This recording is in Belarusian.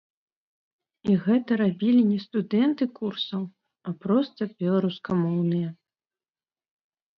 І гэта рабілі не студэнты курсаў, а проста беларускамоўныя.